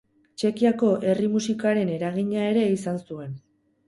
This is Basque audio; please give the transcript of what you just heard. Txekiako herri-musikaren eragina ere izan zuen.